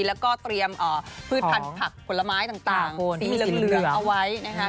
แล้วก็เตรียมพืชพันธุ์ผักผลไม้ต่างสีเหลืองเอาไว้นะคะ